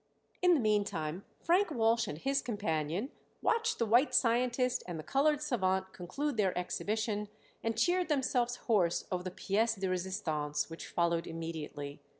In the meantime Frank Walsh and his companion watched the white scientist and the colored savant conclude their exhibition and cheered themselves hoarse over the pièce de résistance which followed immediately.